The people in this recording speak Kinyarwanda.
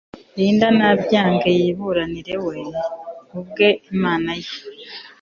rinda nabyange yiburanire we ubwe Imana ye